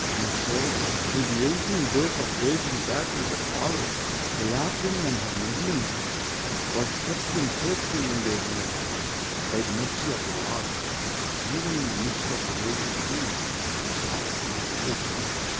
And so, through the eighteen days of raging battle that followed, a lapwing and her nest Hngs were kept in safety in their nest, by the mercy of the lord, even in the midst of the raging field of Kunikshetra.